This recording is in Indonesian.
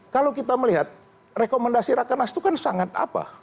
kalau kita melihat rekomendasi rakenas itu kan sangat apa